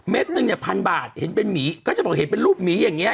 หนึ่งเนี่ยพันบาทเห็นเป็นหมีก็จะบอกเห็นเป็นรูปหมีอย่างเงี้